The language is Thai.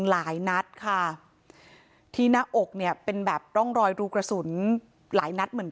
หลายนัดค่ะที่หน้าอกเนี่ยเป็นแบบร่องรอยรูกระสุนหลายนัดเหมือนกัน